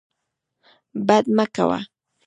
بد مه کوه.